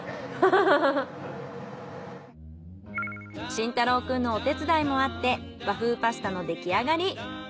清太朗くんのお手伝いもあって和風パスタのできあがり。